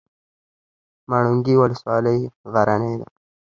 ماڼوګي ولسوالۍ غرنۍ ده؟